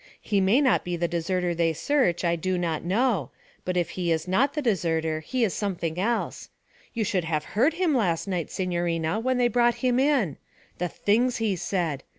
He may not be the deserter they search I do not know but if he is not the deserter he is something else. You should have heard him last night, signorina, when they brought him in. The things he said!